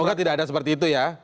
semoga tidak ada seperti itu ya